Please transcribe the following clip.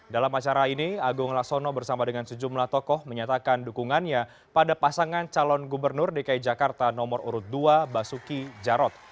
dalam acara ini agung laksono bersama dengan sejumlah tokoh menyatakan dukungannya pada pasangan calon gubernur dki jakarta nomor urut dua basuki jarot